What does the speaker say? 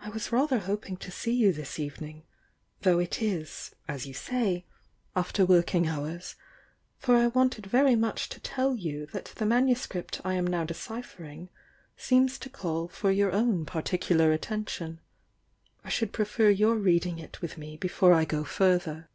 "I was rather hoping to see you this evening, though it is, as you say, after working hours, for I wanted very much to tell you that the manuscript I am now deciphering seems to call for your own particular attention. I should prefer your reading it with me before I go further."